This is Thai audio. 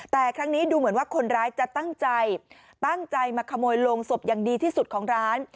แต่ครั้งนี้ดูเหมือนว่าคนร้ายจะตั้งใจตั้งใจมาขโมยโรงศพอย่างดีที่สุดของร้าน